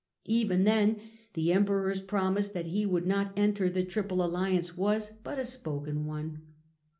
Even then the Emperor's promise that he would not enter the Triple Alliance was but a spoken one.